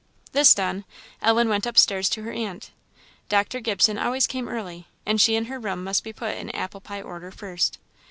This done, Ellen went up stairs to her aunt. Dr. Gibson always came early, and she and her room must be put in apple pie order first.